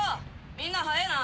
みんな早えな。